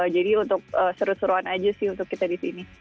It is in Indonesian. jadi untuk seru seruan aja sih untuk kita di sini